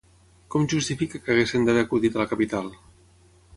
Com justifica que haguessin d'haver acudit a la capital?